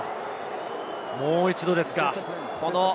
もう一度ですか？